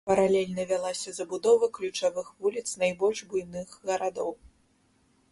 Паралельна вялася забудова ключавых вуліц найбольш буйных гарадоў.